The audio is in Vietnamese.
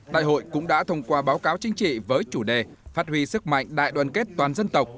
đại hội cũng đã thông qua báo cáo chính trị với chủ đề phát huy sức mạnh đại đoàn kết toàn dân tộc